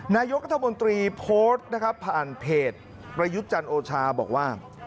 นายกรัฐมนตรีโพสต์นะครับผ่านเพจประยุทธ์จันทร์โอชาบอกว่า